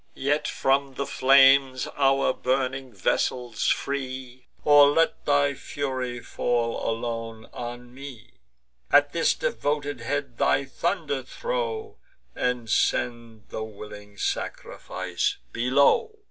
Yet from the flames our burning vessels free, Or let thy fury fall alone on me! At this devoted head thy thunder throw, And send the willing sacrifice below!"